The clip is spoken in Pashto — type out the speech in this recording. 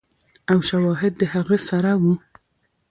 او شواهد د هغه سره ؤ